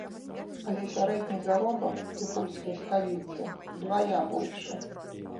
Але сярэдні заробак у польскай сталіцы ўдвая большы!